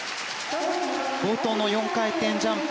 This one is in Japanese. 冒頭の４回転ジャンプ